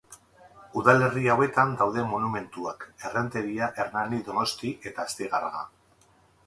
Udalerri hauetan daude monumentuak: Errenteria, Hernani, Donostia eta Astigarraga.